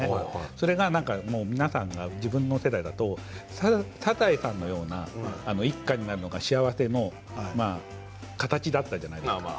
それが皆さんが自分の世代だとサザエさんのような一家になるのが幸せの形だったじゃないですか。